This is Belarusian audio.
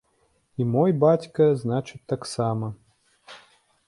І мой бацька, значыць, таксама.